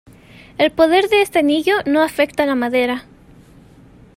El poder de este anillo no afecta la madera.